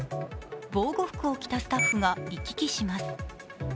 防護服を着たスタッフが行き来します。